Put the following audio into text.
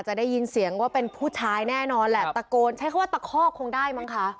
จะได้ยินเสียงว่าเป็นผู้ชายแน่นอนแหละตะโกนใช้คำว่าตะคอกคงได้มั้งคะ